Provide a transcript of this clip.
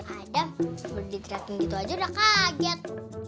adam baru diteriakin gitu aja udah kaget